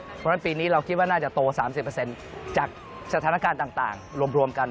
เพราะฉะนั้นปีนี้เราคิดว่าน่าจะโต๓๐จากสถานการณ์ต่างรวมกัน